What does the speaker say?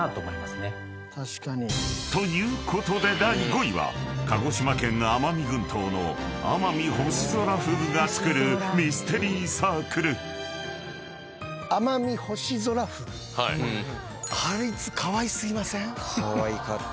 ［ということで第５位は鹿児島県奄美群島のアマミホシゾラフグが作るミステリーサークル］かわいかった。